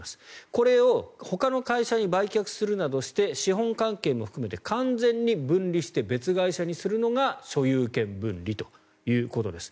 これをほかの会社に売却するなどして資本関係も含めて完全に分離して別会社にするのが所有権分離ということです。